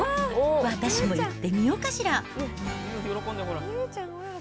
私も行ってみようかしら。